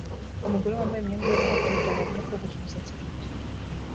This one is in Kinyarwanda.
Umugore wambaye imyenda yo koga yirabura arimo kogosha umusatsi ku mucanga